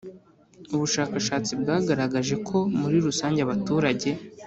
Ubushakashatsi bwagaragaje ko muri rusange abaturage